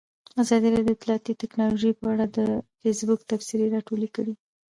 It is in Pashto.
ازادي راډیو د اطلاعاتی تکنالوژي په اړه د فیسبوک تبصرې راټولې کړي.